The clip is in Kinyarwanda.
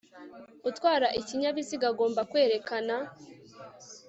utwara ikinyabiziga agomba kwerekana